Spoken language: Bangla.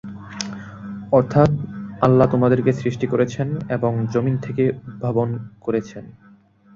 অর্থাৎ আল্লাহ তোমাদেরকে সৃষ্টি করেছেন এবং যমীন থেকে উদ্ভাবন করেছেন।